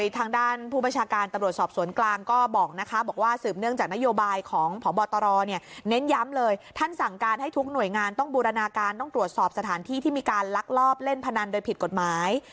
ต้องบูรณาการต้องตรวจสอบสถานที่ที่มีการลักลอบเล่นพนันโดยผิดกฎหมาย